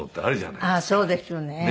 あっそうですよね。